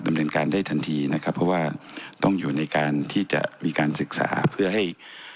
ดำเนินการได้ทันทีนะครับเพราะว่าต้องอยู่ในการที่จะมีการศึกษาเพื่อให้